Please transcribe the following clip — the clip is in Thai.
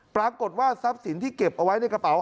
ปรากฏว่าทรัพย์สินที่เก็บเอาไว้ในกระเป๋า